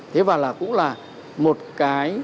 thế và là cũng là một cái